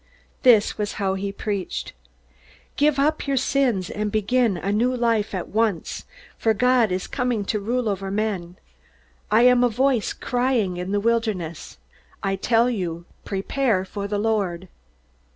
This was how he preached: "Give up your sins, and begin a new life at once, for God is coming to rule over men! I am a voice crying in the wilderness. I tell you prepare for the Lord!"